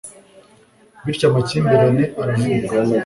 bityo amakimbirane aravuka